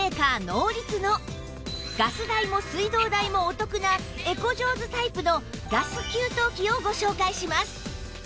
ノーリツのガス代も水道代もお得なエコジョーズタイプのガス給湯器をご紹介します